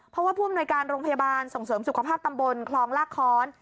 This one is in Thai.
เพราะว่าผู้อำนวยการโรงพยาบาลส่งเสริมสุขภาพตำบลคลองลากค้อน